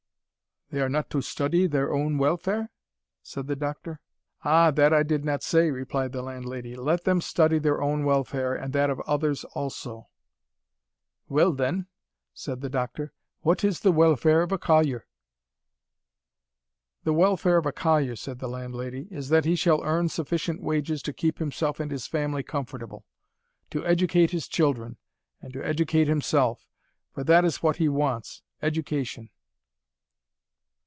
"They are not to study their own welfare?" said the doctor. "Ah, that I did not say," replied the landlady. "Let them study their own welfare, and that of others also." "Well then," said the doctor, "what is the welfare of a collier?" "The welfare of a collier," said the landlady, "is that he shall earn sufficient wages to keep himself and his family comfortable, to educate his children, and to educate himself; for that is what he wants, education."